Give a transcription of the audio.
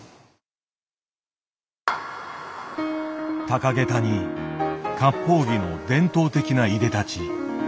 高げたに割烹着の伝統的ないでたち。